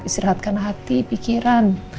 istirahatkan hati pikiran